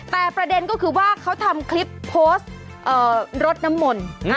แต่ประเด็นก็คือว่าเขาทำคลิปโพสต์รดน้ำมนต์